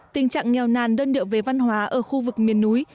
tình trạng nghèo nàn đơn điệu về văn hóa ở khu vực miền núi